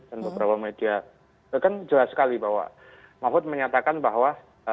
dan beberapa media itu kan jelas sekali bahwa mahfudzah menyatakan bahwa